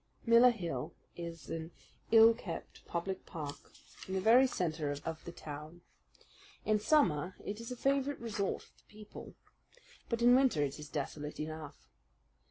Miller Hill is an ill kept public park in the very centre of the town. In summer it is a favourite resort of the people, but in winter it is desolate enough.